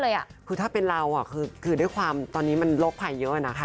เลยคือถ้าเป็นเราคือที่เป็นความตอนนี้ความเรากายฟังเยอะนะคะ